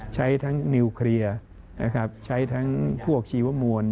ใช้ทั้งนิวเคลียร์นะครับใช้ทั้งพวกชีวมวล